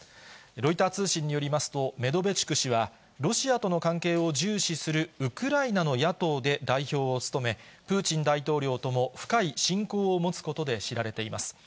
ロイター通信によりますと、メドベチュク氏はロシアとの関係を重視するウクライナの野党で代表を務め、プーチン大統領とも深い親交を持つことで知られています。